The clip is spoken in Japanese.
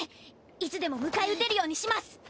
いつでも迎え撃てるようにします。